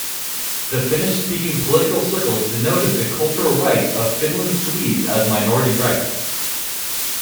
The Finnish-speaking political circles denoted the cultural rights of Finland-Swedes as minority rights.